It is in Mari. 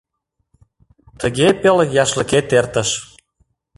Тыге пел яшлыкет эртыш.